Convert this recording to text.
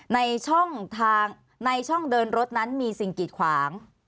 ในช่องทางในช่องเดินรถนั้นมีสิ่งกีดขวาง